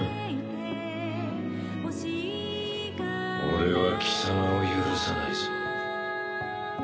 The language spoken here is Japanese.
俺は貴様を許さないぞ。